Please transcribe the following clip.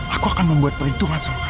aku akan membuat perhitungan sama kamu